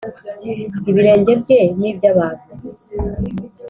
Ibirenge Bye N Iby Abantu